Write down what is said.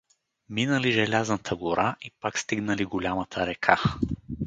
Минали желязната гора и пак стигнали голямата река.